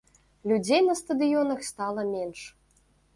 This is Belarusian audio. Людзей на стадыёнах стала менш.